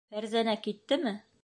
Фәрзәнә киттеме?